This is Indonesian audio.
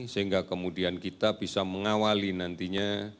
sehingga kemudian kita bisa mengawali nantinya